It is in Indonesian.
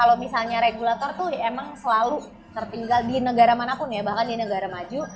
kalau misalnya regulator tuh emang selalu tertinggal di negara manapun ya bahkan di negara maju